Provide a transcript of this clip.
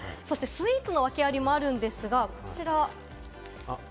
そしてスイーツの訳アリもあるんですが、こちら。